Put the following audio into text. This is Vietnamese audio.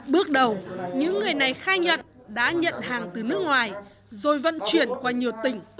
bước đầu những người này khai nhận đã nhận hàng từ nước ngoài rồi vận chuyển qua nhiều tỉnh